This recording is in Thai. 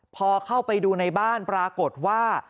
พอเข้าไปดูในบ้านปรากฏว่า